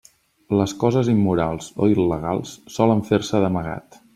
Les coses immorals o il·legals solen fer-se d'amagat.